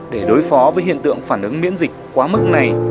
để đối phó với hiện tượng phản ứng miễn dịch quá mức này